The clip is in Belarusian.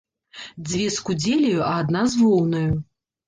Дзве з кудзеляю, а адна з воўнаю.